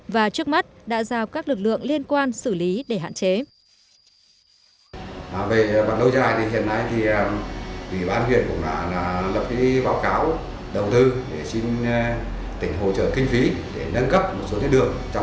và trước mắt đã giao các lực lượng liên quan đến lực lượng đất đá